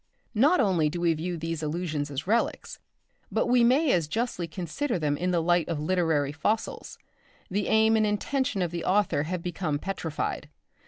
Not only do we view these allusions as relics, but we may as justly consider them in the light of literary fossils. The aim and intention of the author have become petrified.